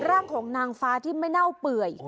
ร่างของนางฟ้าที่ไม่เน่าเปื่อย